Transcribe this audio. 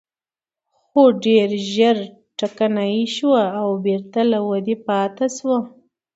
خو ډېر ژر ټکنۍ شوه او بېرته له ودې پاتې شوه.